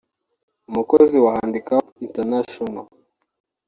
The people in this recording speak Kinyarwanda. umukozi wa Handicap International